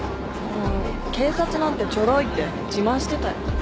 警察なんてちょろいって自慢してたよ。